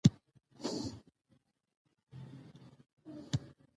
غزني د افغانستان د ټول طبیعت د ښکلا یوه برخه ده.